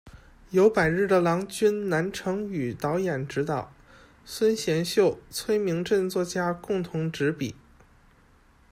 由《百日的郎君》的南成宇导演执导，孙贤秀、崔明镇作家共同执笔。